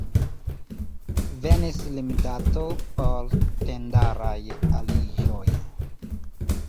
Venis limdato por tendaraj aliĝoj.